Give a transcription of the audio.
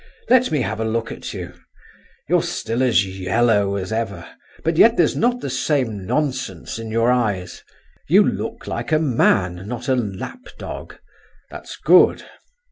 Let me have a look at you. You're still as yellow as ever, but yet there's not the same nonsense in your eyes. You look like a man, not a lap dog. That's good.